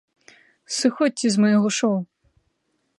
Сыходзьце з майго шоў!